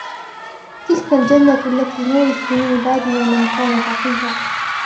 تِلْكَ الْجَنَّةُ الَّتِي نُورِثُ مِنْ عِبَادِنَا مَنْ كَانَ تَقِيًّا